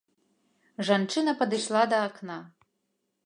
Жанчына падышла да акна.